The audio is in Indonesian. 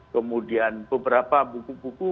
kemudian beberapa buku buku